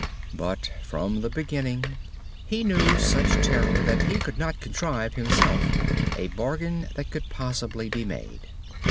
But from the beginning he knew such terror that he could not contrive, himself, a bargain that could possibly be made.